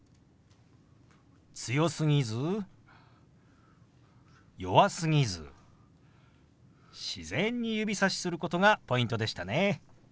強すぎず弱すぎず自然に指さしすることがポイントでしたね。